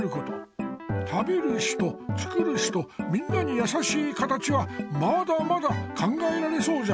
食べる人作る人みんなにやさしい形はまだまだ考えられそうじゃ。